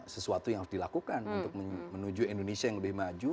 sesuatu yang harus dilakukan untuk menuju indonesia yang lebih maju